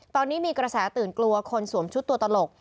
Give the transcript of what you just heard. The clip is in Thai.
ตอนนี้มีกระแสตื่นกลัวคนสวมชุดตัวตลก